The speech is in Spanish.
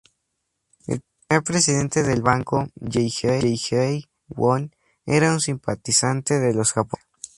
El primer presidente del banco, Yi Jae-won era un simpatizante de los japoneses.